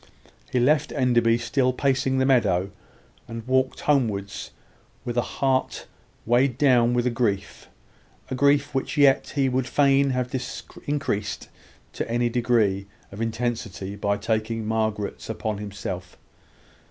He left Enderby still pacing the meadow, and walked homewards with a heart weighed down with grief a grief which yet he would fain have increased to any degree of intensity by taking Margaret's upon himself.